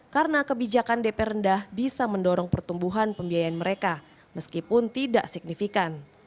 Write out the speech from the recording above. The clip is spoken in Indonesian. karena kebijakan dp rendah bisa mendorong pertumbuhan pembiayaan mereka meskipun tidak signifikan